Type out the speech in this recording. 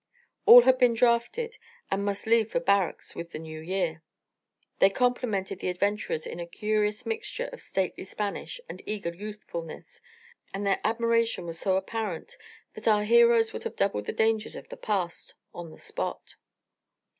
All had been drafted, and must leave for barracks with the new year. They complimented the adventurers in a curious mixture of stately Spanish and eager youthfulness, and their admiration was so apparent that our heroes would have doubled the dangers of the past on the spot.